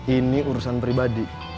ini urusan pribadi